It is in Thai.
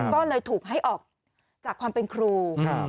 ก็เลยถูกให้ออกจากความเป็นครู